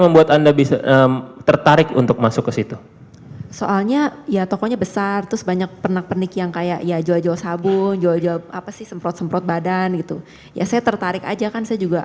betul tasnya juga